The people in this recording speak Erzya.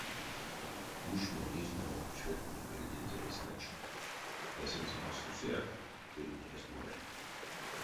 Ушмонь изнямот шведтнэ пельдензэ эзть некшне, эсензэ масторсояк тевтне эзть моле.